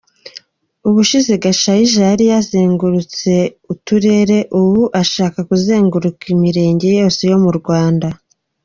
Ubushize Gashayija yari yazengurutse uturere, ubu ashaka kuzenguruka imirenge yose yo mu Rwanda.